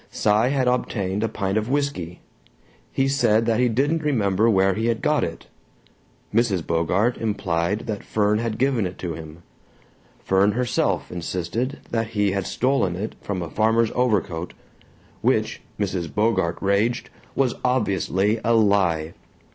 Cy had obtained a pint of whisky; he said that he didn't remember where he had got it; Mrs. Bogart implied that Fern had given it to him; Fern herself insisted that he had stolen it from a farmer's overcoat which, Mrs. Bogart raged, was obviously a lie.